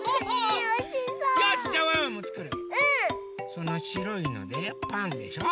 そのしろいのでパンでしょ？